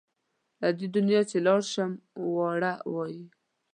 له دې دنیا چې لاړ شم واړه وايي.